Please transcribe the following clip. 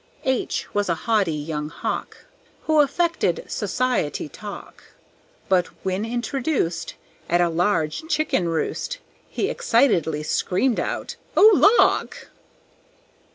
H was a haughty young Hawk, Who affected society talk; But when introduced At a large chicken roost He excitedly screamed out, "Oh, Lawk!"